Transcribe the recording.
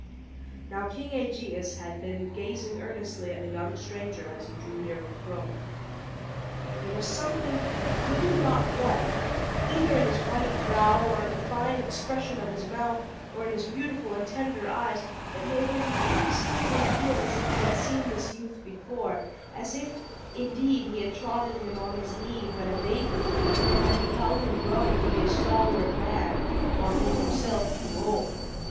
Now King Aegeus had been gazing earnestly at the young stranger, as he drew near the throne. There was something, he knew not what, either in his white brow, or in the fine expression of his mouth, or in his beautiful and tender eyes, that made him indistinctly feel as if he had seen this youth before; as if, indeed, he had trotted him on his knee when a baby, and had beheld him growing to be a stalwart man, while he himself grew old.